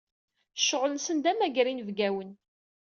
Ccɣel-nsen d amagar inebgawen.